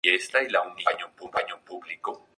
Desde entonces su uso es privado.